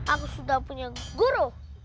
aku sudah punya guru